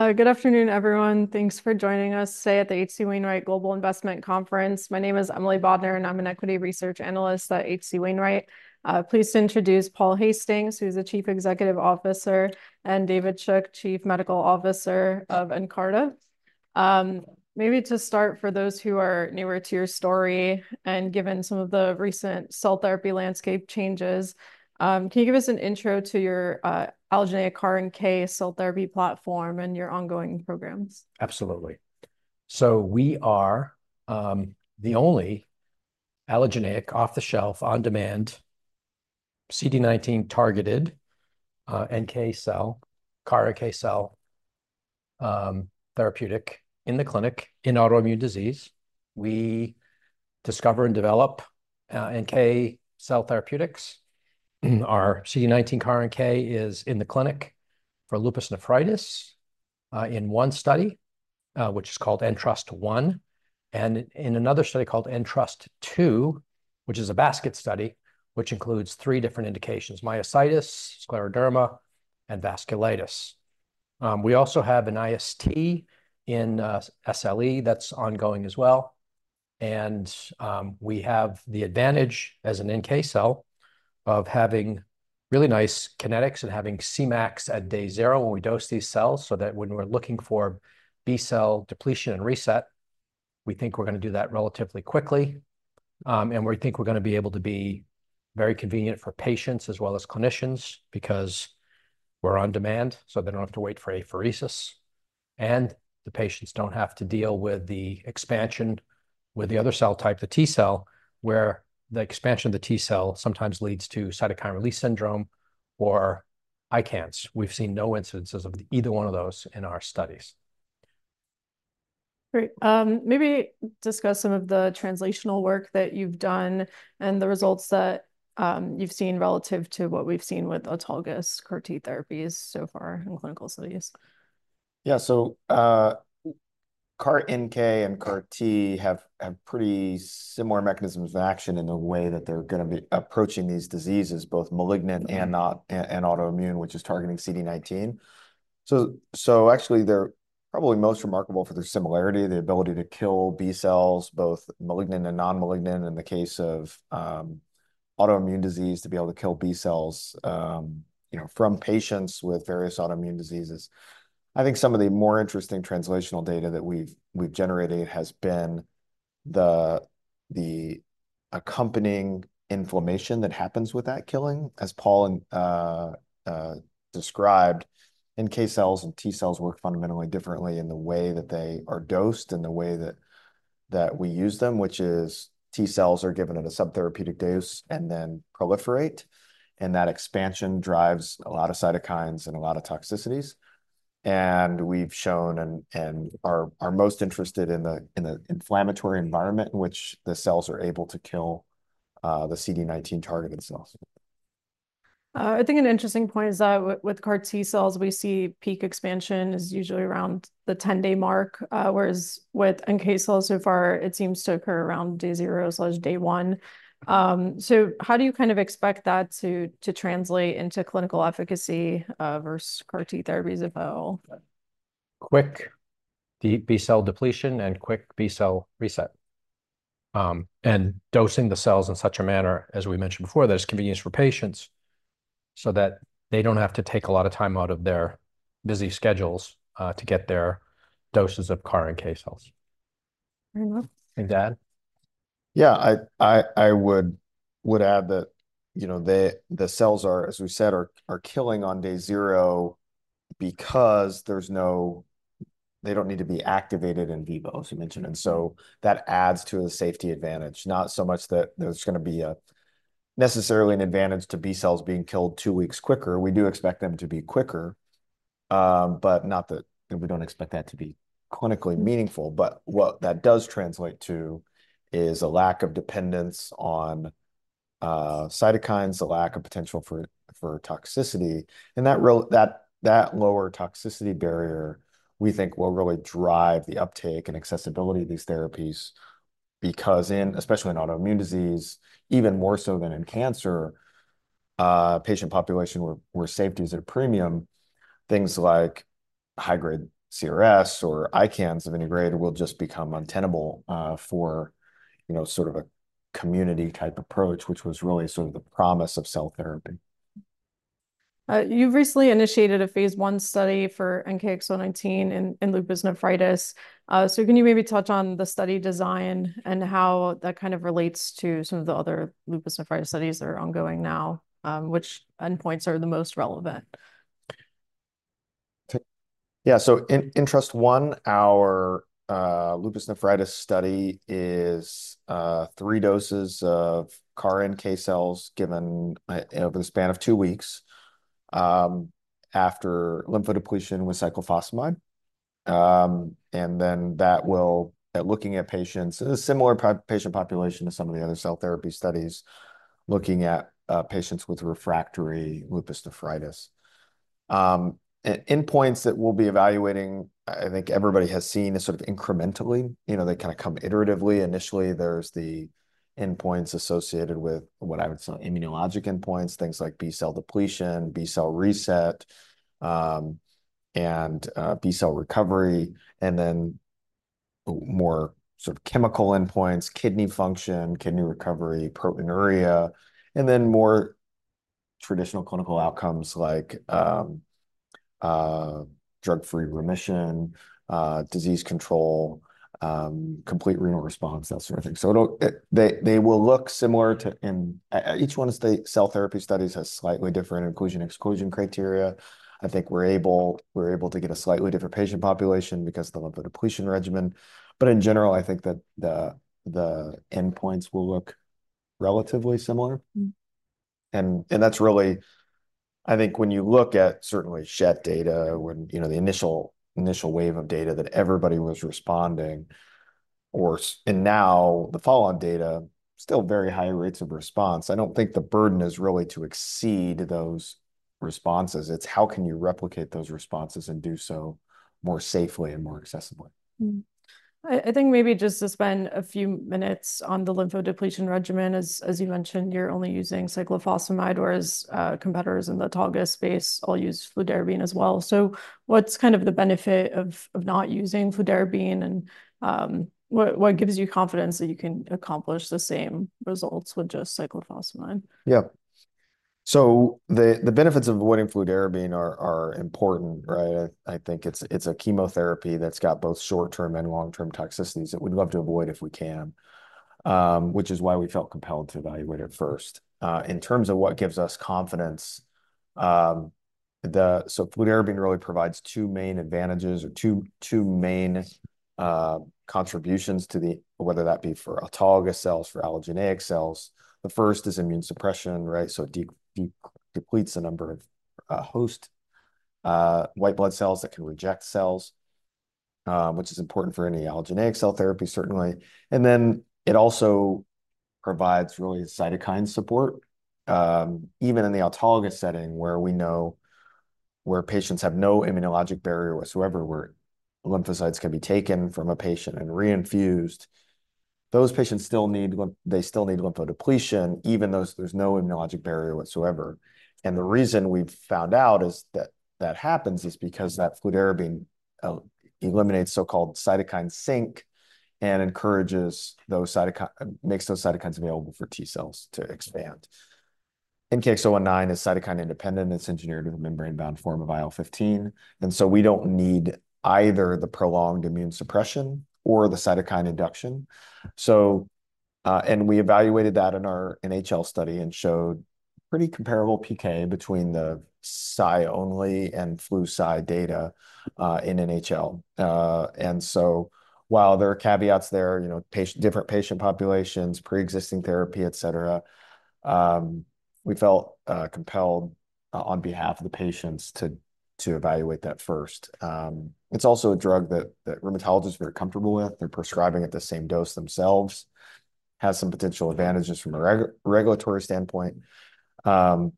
Good afternoon, everyone. Thanks for joining us today at the H.C. Wainwright Global Investment Conference. My name is Emily Bodnar, and I'm an equity research analyst at H.C. Wainwright. Pleased to introduce Paul Hastings, who's the Chief Executive Officer, and David Shook, Chief Medical Officer of Nkarta. Maybe to start, for those who are newer to your story, and given some of the recent cell therapy landscape changes, can you give us an intro to your allogeneic CAR NK cell therapy platform and your ongoing programs? Absolutely. So we are the only allogeneic, off-the-shelf, on-demand CD19-targeted NK cell CAR NK cell therapeutic in the clinic in autoimmune disease. We discover and develop NK cell therapeutics. Our CD19 CAR NK is in the clinic for lupus nephritis in one study which is called Ntrust-1, and in another study called Ntrust-2, which is a basket study, which includes three different indications: myositis, scleroderma, and vasculitis. We also have an IST in SLE that's ongoing as well. And we have the advantage, as an NK cell, of having really nice kinetics and having Cmax at Day 0 when we dose these cells, so that when we're looking for B-cell depletion and reset, we think we're going to do that relatively quickly. And we think we're going to be able to be very convenient for patients as well as clinicians because we're on demand, so they don't have to wait for apheresis, and the patients don't have to deal with the expansion with the other cell type, the T cell, where the expansion of the T cell sometimes leads to cytokine release syndrome or ICANS. We've seen no incidences of either one of those in our studies. Great. Maybe discuss some of the translational work that you've done and the results that, you've seen relative to what we've seen with autologous CAR T therapies so far in clinical studies. Yeah. So, CAR NK and CAR T have pretty similar mechanisms of action in the way that they're going to be approaching these diseases, both malignant and not, and autoimmune, which is targeting CD19. So, actually, they're probably most remarkable for their similarity, the ability to kill B-cells, both malignant and non-malignant, in the case of autoimmune disease, to be able to kill B-cells, you know, from patients with various autoimmune diseases. I think some of the more interesting translational data that we've generated has been the accompanying inflammation that happens with that killing. As Paul described, NK cells and T cells work fundamentally differently in the way that they are dosed and the way that we use them, which is T cells are given at a subtherapeutic dose and then proliferate, and that expansion drives a lot of cytokines and a lot of toxicities, and we've shown and are most interested in the inflammatory environment in which the cells are able to kill the CD19-targeted cells. I think an interesting point is that with CAR T cells, we see peak expansion is usually around the 10-day mark, whereas with NK cells so far, it seems to occur around Day 0/Day 1. So how do you kind of expect that to translate into clinical efficacy versus CAR T therapies if at all? Quick B-cell depletion and quick B-cell reset, and dosing the cells in such a manner, as we mentioned before, that it's convenience for patients so that they don't have to take a lot of time out of their busy schedules, to get their doses of CAR NK cells. Very well. Anything to add? Yeah, I would add that, you know, the cells are, as we said, killing on Day 0 because there's no... They don't need to be activated in vivo, as you mentioned, and so that adds to the safety advantage. Not so much that there's going to be a necessarily an advantage to B-cells being killed two weeks quicker. We do expect them to be quicker, but not that. We don't expect that to be clinically meaningful. But what that does translate to is a lack of dependence on cytokines, a lack of potential for toxicity. And that lower toxicity barrier, we think, will really drive the uptake and accessibility of these therapies. Because in especially in autoimmune disease, even more so than in cancer, patient population, where safety is at a premium, things like high-grade CRS or ICANS of any grade will just become untenable for you know sort of a community-type approach, which was really sort of the promise of cell therapy. You've recently initiated a phase I study for NKX019 in lupus nephritis, so can you maybe touch on the study design and how that kind of relates to some of the other lupus nephritis studies that are ongoing now? Which endpoints are the most relevant? Yeah. So in Ntrust-1, our lupus nephritis study is three doses of CAR NK cells given over the span of two weeks after lymphodepletion with cyclophosphamide. And then that will be looking at patients, a similar patient population to some of the other cell therapy studies, looking at patients with refractory lupus nephritis. And endpoints that we'll be evaluating, I think everybody has seen this sort of incrementally. You know, they kind of come iteratively. Initially, there's the endpoints associated with what I would say, immunologic endpoints, things like B-cell depletion, B-cell reset, and B-cell recovery, and then more sort of clinical endpoints, kidney function, kidney recovery, proteinuria. And then more traditional clinical outcomes like drug-free remission, disease control, complete renal response, that sort of thing. So it'll, they will look similar to... Each one of the cell therapy studies has slightly different inclusion/exclusion criteria. I think we're able to get a slightly different patient population because the lymphodepletion regimen. But in general, I think that the endpoints will look relatively similar. Mm-hmm. That's really. I think when you look at certainly Schett data, you know, the initial wave of data that everybody was responding, and now the follow-on data, still very high rates of response. I don't think the burden is really to exceed those responses. It's how can you replicate those responses and do so more safely and more accessibly? Mm-hmm. I think maybe just to spend a few minutes on the lymphodepletion regimen. As you mentioned, you're only using cyclophosphamide, whereas competitors in the autologous space all use fludarabine as well. So what's kind of the benefit of not using fludarabine, and what gives you confidence that you can accomplish the same results with just cyclophosphamide? Yeah. So the benefits of avoiding fludarabine are important, right? I think it's a chemotherapy that's got both short-term and long-term toxicities that we'd love to avoid if we can, which is why we felt compelled to evaluate it first. In terms of what gives us confidence, so fludarabine really provides two main advantages or two main contributions to whether that be for autologous cells, for allogeneic cells. The first is immune suppression, right? So it depletes the number of host white blood cells that can reject cells, which is important for any allogeneic cell therapy, certainly. And then it also provides really cytokine support, even in the autologous setting, where we know patients have no immunologic barrier whatsoever, where lymphocytes can be taken from a patient and reinfused. Those patients still need lymphodepletion, even though there's no immunologic barrier whatsoever. The reason we've found out is that it happens because fludarabine eliminates so-called cytokine sink and makes those cytokines available for T-cells to expand. NKX019 is cytokine independent, and it's engineered in a membrane-bound form of IL-15. We don't need either the prolonged immune suppression or the cytokine induction. We evaluated that in our NHL study and showed pretty comparable PK between the Cy-only and Flu/Cy data in NHL. While there are caveats there, you know, different patient populations, pre-existing therapy, et cetera, we felt compelled on behalf of the patients to evaluate that first. It's also a drug that rheumatologists are very comfortable with. They're prescribing at the same dose themselves, has some potential advantages from a regulatory standpoint. But,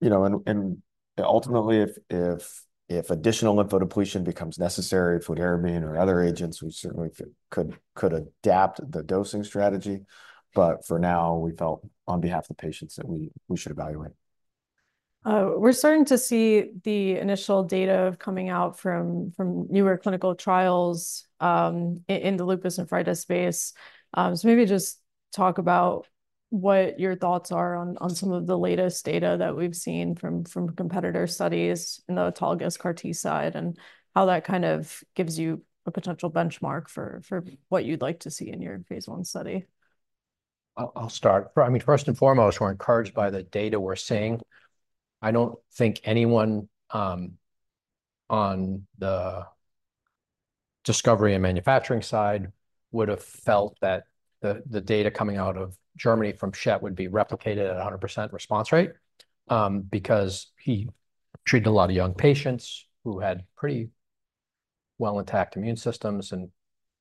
you know, and ultimately, if additional lymphodepletion becomes necessary, fludarabine or other agents, we certainly could adapt the dosing strategy. But for now, we felt on behalf of the patients that we should evaluate. We're starting to see the initial data coming out from newer clinical trials in the lupus and rheumatic space. So maybe just talk about what your thoughts are on some of the latest data that we've seen from competitor studies in the autologous CAR T side, and how that kind of gives you a potential benchmark for what you'd like to see in your phase I study. I'll start. I mean, first and foremost, we're encouraged by the data we're seeing. I don't think anyone on the discovery and manufacturing side would have felt that the data coming out of Germany from Schett would be replicated at a 100% response rate, because he treated a lot of young patients who had pretty well-attacked immune systems. And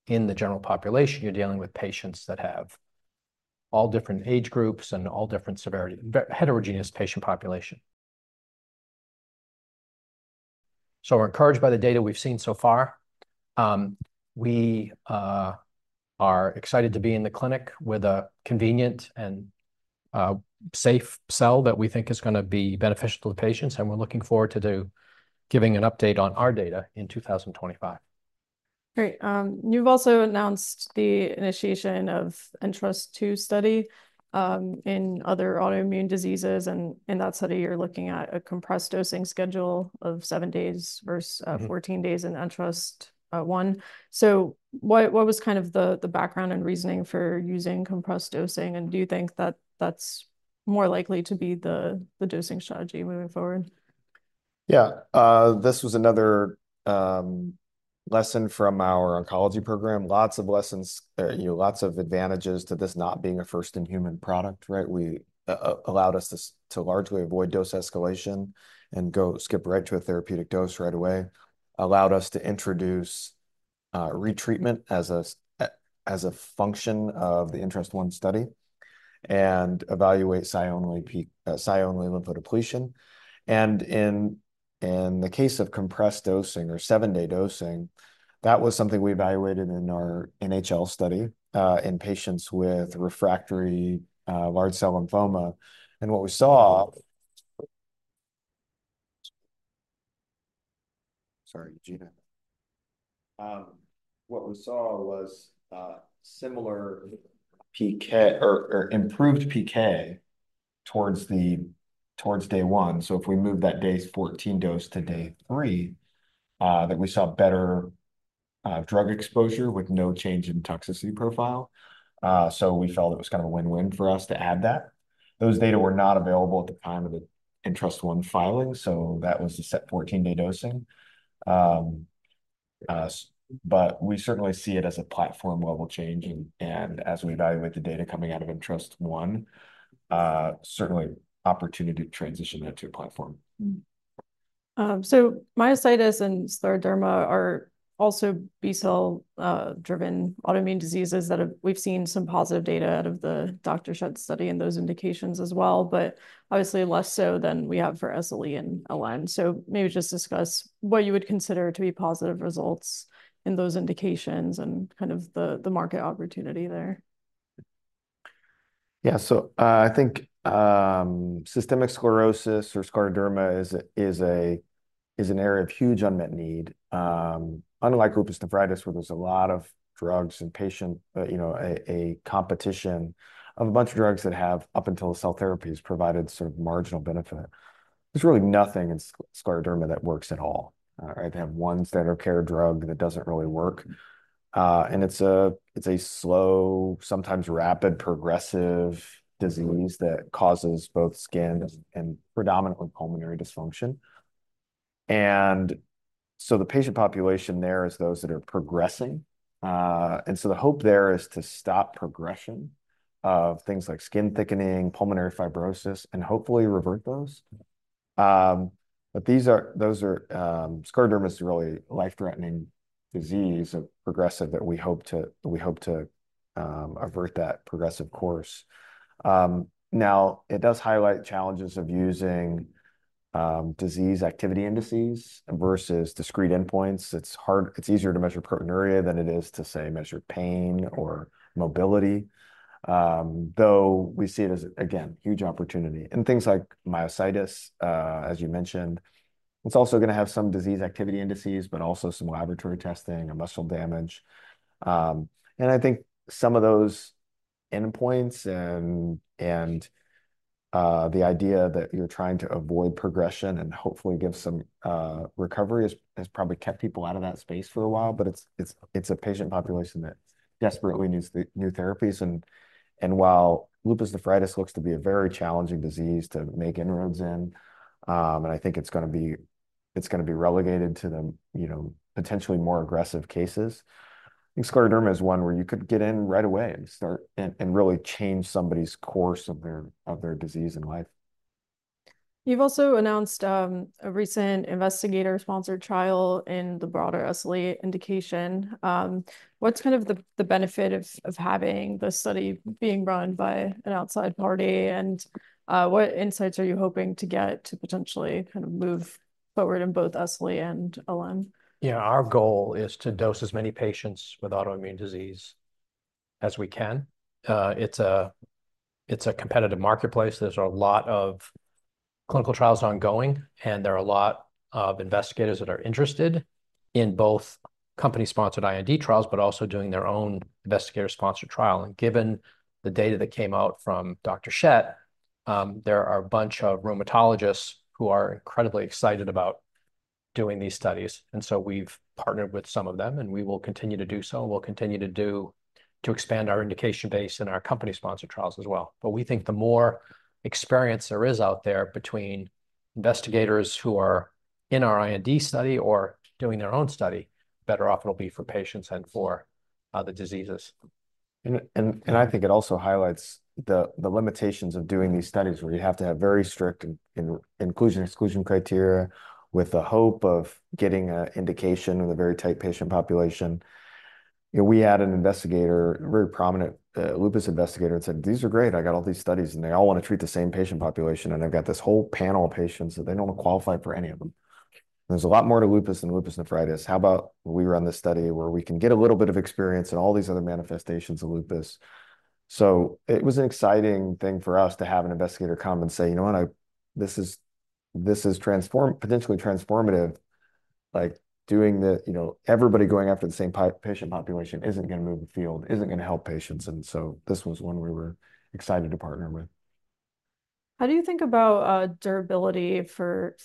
in the general population, you're dealing with patients that have all different age groups and all different severities, very heterogeneous patient population. So we're encouraged by the data we've seen so far. We are excited to be in the clinic with a convenient and safe cell that we think is gonna be beneficial to the patients, and we're looking forward to giving an update on our data in 2025. Great. You've also announced the initiation of Ntrust-2 study in other autoimmune diseases. And in that study, you're looking at a compressed dosing schedule of seven days versus- Mm-hmm... 14 days in Ntrust-1. So what was kind of the background and reasoning for using compressed dosing, and do you think that that's more likely to be the dosing strategy moving forward? Yeah. This was another lesson from our oncology program. Lots of lessons, you know, lots of advantages to this not being a first-in-human product, right? We allowed us to largely avoid dose escalation and go skip right to a therapeutic dose right away, allowed us to introduce retreatment as a function of the Ntrust-1 study and evaluate Cy-only lymphodepletion. And in the case of compressed dosing or seven-day dosing, that was something we evaluated in our NHL study in patients with refractory large cell lymphoma. And what we saw. Sorry, Gina. What we saw was similar PK or improved PK towards Day 1. So if we move that Day 14 dose to Day 3, that we saw better drug exposure with no change in toxicity profile. So we felt it was kind of a win-win for us to add that. Those data were not available at the time of the Ntrust-1 filing, so that was the set fourteen-day dosing. But we certainly see it as a platform-level change, and as we evaluate the data coming out of Ntrust-1, certainly opportunity to transition that to a platform. So myositis and scleroderma are also B-cell driven autoimmune diseases that have, we've seen some positive data out of the Dr. Schett study and those indications as well, but obviously less so than we have for SLE and LN. So maybe just discuss what you would consider to be positive results in those indications and kind of the market opportunity there. Yeah. So, I think systemic sclerosis or scleroderma is an area of huge unmet need. Unlike lupus nephritis, where there's a lot of drugs and patient, you know, a competition of a bunch of drugs that have, up until cell therapies, provided sort of marginal benefit. There's really nothing in scleroderma that works at all. They have one standard care drug that doesn't really work, and it's a slow, sometimes rapid, progressive disease that causes both skin and predominantly pulmonary dysfunction. And so the patient population there is those that are progressing, and so the hope there is to stop progression of things like skin thickening, pulmonary fibrosis, and hopefully revert those. But these are those are. Scleroderma is a really life-threatening disease, of progressive, that we hope to avert that progressive course. Now, it does highlight challenges of using disease activity indices versus discrete endpoints. It's easier to measure proteinuria than it is to, say, measure pain or mobility, though we see it as, again, huge opportunity. And things like myositis, as you mentioned, it's also gonna have some disease activity indices, but also some laboratory testing and muscle damage. And I think some of those endpoints and the idea that you're trying to avoid progression and hopefully give some recovery has probably kept people out of that space for a while, but it's a patient population that desperately needs the new therapies. While lupus nephritis looks to be a very challenging disease to make inroads in, and I think it's gonna be relegated to the, you know, potentially more aggressive cases. I think scleroderma is one where you could get in right away and start and really change somebody's course of their disease and life. You've also announced a recent investigator-sponsored trial in the broader SLE indication. What's kind of the benefit of having the study being run by an outside party, and what insights are you hoping to get to potentially kind of move forward in both SLE and LN? Yeah, our goal is to dose as many patients with autoimmune disease as we can. It's a competitive marketplace. There's a lot of clinical trials ongoing, and there are a lot of investigators that are interested in both company-sponsored IND trials, but also doing their own investigator-sponsored trial. And given the data that came out from Dr. Schett, there are a bunch of rheumatologists who are incredibly excited about doing these studies, and so we've partnered with some of them, and we will continue to do so, and we'll continue to expand our indication base and our company-sponsored trials as well. But we think the more experience there is out there between investigators who are in our IND study or doing their own study, better off it'll be for patients and for the diseases. I think it also highlights the limitations of doing these studies, where you have to have very strict inclusion, exclusion criteria, with the hope of getting an indication of a very tight patient population. You know, we had an investigator, a very prominent lupus investigator, and said, "These are great. I got all these studies, and they all want to treat the same patient population, and I've got this whole panel of patients, and they don't qualify for any of them. There's a lot more to lupus than lupus nephritis. How about we run this study where we can get a little bit of experience in all these other manifestations of lupus?" So it was an exciting thing for us to have an investigator come and say, "You know what? This is, this is potentially transformative." Like, doing the... You know, everybody going after the same patient population isn't gonna move the field, isn't gonna help patients, and so this was one we were excited to partner with. How do you think about durability for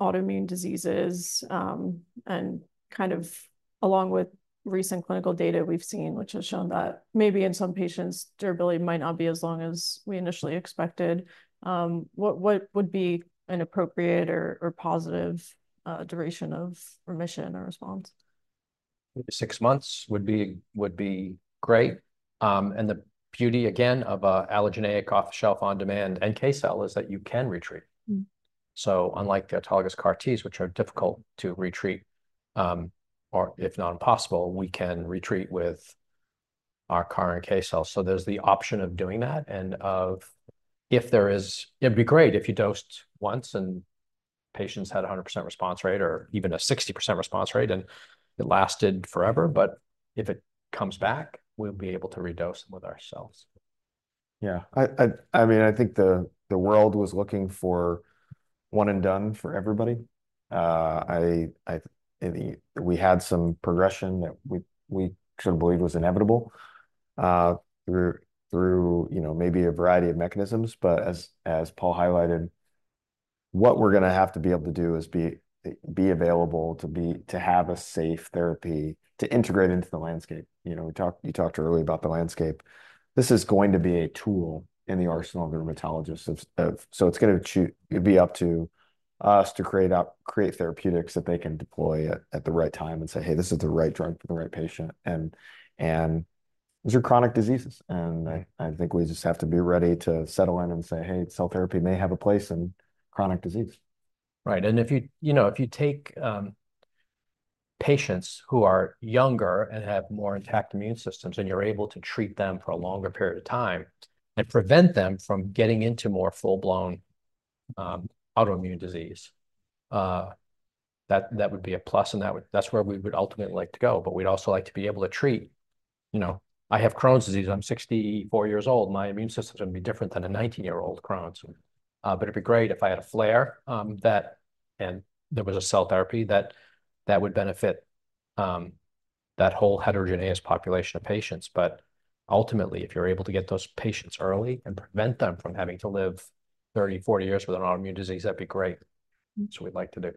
autoimmune diseases, and kind of along with recent clinical data we've seen, which has shown that maybe in some patients, durability might not be as long as we initially expected? What would be an appropriate or positive duration of remission or response? Six months would be great, and the beauty, again, of an allogeneic, off-the-shelf, on-demand NK cell is that you can re-treat. Mm. Unlike the autologous CAR-Ts, which are difficult to retreat, or if not impossible, we can retreat with our CAR-NK cells. There's the option of doing that, and if there is, it'd be great if you dosed once, and patients had a 100% response rate or even a 60% response rate, and it lasted forever. But if it comes back, we'll be able to redose them with our cells. Yeah. I mean, I think the world was looking for one and done for everybody. I think we had some progression that we sort of believed was inevitable through you know, maybe a variety of mechanisms. But as Paul highlighted, what we're gonna have to be able to do is be available to have a safe therapy, to integrate into the landscape. You know, you talked earlier about the landscape. This is going to be a tool in the arsenal of rheumatologists of, of... So it's gonna to, it'll be up to us to create therapeutics that they can deploy at the right time and say, "Hey, this is the right drug for the right patient." And these are chronic diseases, and I think we just have to be ready to settle in and say, "Hey, cell therapy may have a place in chronic disease. Right. And if you, you know, if you take, patients who are younger and have more intact immune systems, and you're able to treat them for a longer period of time and prevent them from getting into more full-blown, autoimmune disease, that, that would be a plus, and that would- that's where we would ultimately like to go. But we'd also like to be able to treat... You know, I have Crohn's disease. I'm sixty-four years old. My immune system is gonna be different than a nineteen-year-old Crohn's. But it'd be great if I had a flare, that, and there was a cell therapy that, that would benefit, that whole heterogeneous population of patients. But ultimately, if you're able to get those patients early and prevent them from having to live thirty, forty years with an autoimmune disease, that'd be great. That's what we'd like to do.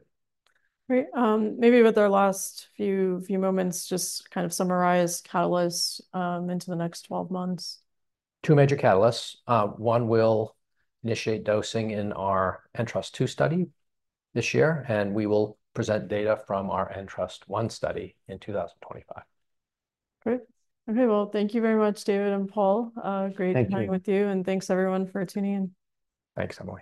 Great. Maybe with our last few moments, just to kind of summarize catalysts into the next twelve months. Two major catalysts. One, we'll initiate dosing in our Ntrust-2 study this year, and we will present data from our Ntrust-1 study in 2025. Great. Okay, well, thank you very much, David and Paul. Great- Thank you. Talking with you, and thanks everyone for tuning in. Thanks so much.